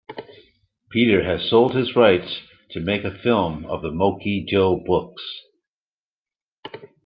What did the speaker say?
Peter has sold his rights to make a film of the Mokee Joe books.